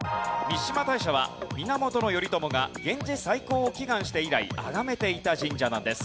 三嶋大社は源頼朝が源氏再興を祈願して以来あがめていた神社なんです。